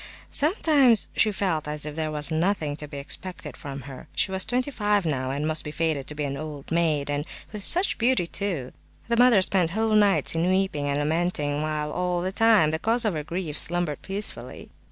Sometimes she felt as if there was nothing to be expected from her. She was twenty five now, and must be fated to be an old maid, and "with such beauty, too!" The mother spent whole nights in weeping and lamenting, while all the time the cause of her grief slumbered peacefully.